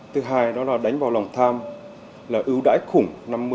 thứ hai đó là đánh vào lòng tham là ưu đãi khủng năm mươi sáu mươi